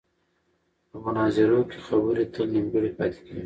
په مناظرو کې خبرې تل نیمګړې پاتې کېږي.